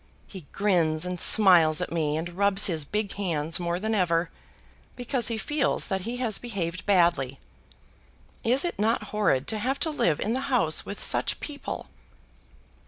He grins and smiles at me, and rubs his big hands more than ever, because he feels that he has behaved badly. Is it not horrid to have to live in the house with such people?"